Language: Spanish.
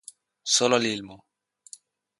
Solo el Ilmo.